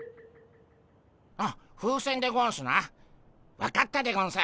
あ風船でゴンスな分かったでゴンス。